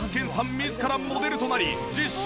自らモデルとなり実証！